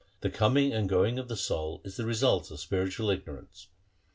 The coming and going of the soul is the result of spiritual ignorance.